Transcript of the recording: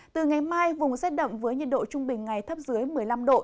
từ ngày mai vùng rét đậm với nhiệt độ trung bình ngày thấp dưới một mươi năm độ